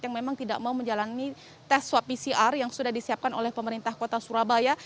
yang memang tidak mau menjalani tes swab pcr yang sudah disiapkan oleh pemerintah kota surabaya